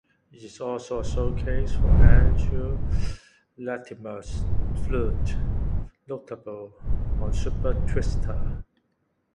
It is also a showcase for Andrew Latimer's flute, notably on "Supertwister".